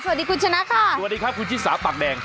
สวัสดีค่ะคุณนายค่ะสวัสดีค่ะครูชิศราปักแดง